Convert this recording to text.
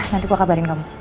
nanti gua kabarin kamu